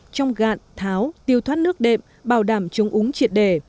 trong gạn tháo tiêu thoát nước đệm bảo đảm chống úng triệt đề